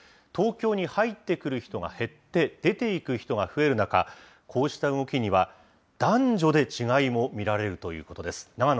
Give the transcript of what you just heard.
東京に入ってくる人が減って、出ていく人が増える中、こうした動きには、男女で違いも見られるということです。